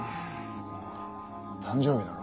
誕生日だろ？